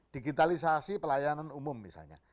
digitalisasi pelayanan umum misalnya